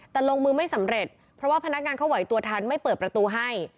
แต่ลงมือไม่สำเร็จเพราะว่าพนักงานเขาไหวตัวทันไม่เปิดประตูให้